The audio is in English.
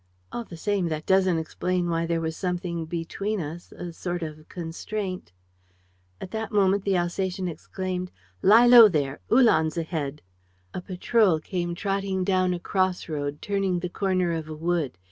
All the same, that doesn't explain why there was something between us, a sort of constraint ..." At that moment, the Alsatian exclaimed: "Lie low there! ... Uhlans ahead! ..." A patrol came trotting down a cross road, turning the corner of a wood.